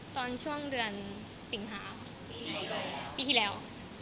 ตอนช่วงเดือนสิงหาปีที่แล้ว